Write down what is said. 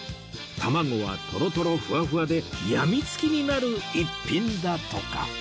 卵はトロトロふわふわで病み付きになる逸品だとか